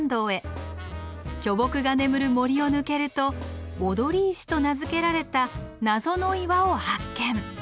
巨木が眠る森を抜けると踊石と名付けられた謎の岩を発見。